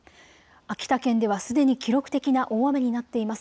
秋田県ではすでに記録的な大雨になっています。